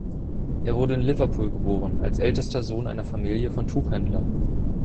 Er wurde in Liverpool geboren, als ältester Sohn einer Familie von Tuchhändlern.